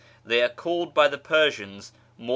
They are called by the Persians ^Iv.